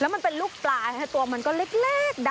แล้วมันเป็นลูกปลาค่ะตัวมันก็เล็ก